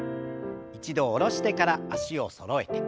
一度下ろしてから脚をそろえて。